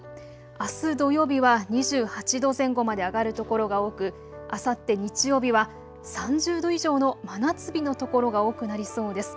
あす土曜日は２８度前後まで上がる所が多く、あさって日曜日は３０度以上の真夏日の所が多くなりそうです。